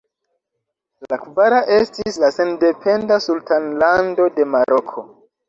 La kvara estis la sendependa Sultanlando de Maroko.